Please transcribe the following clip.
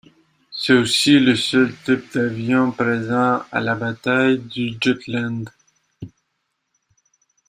C'est aussi le seul type d'avion présent à la bataille du Jutland.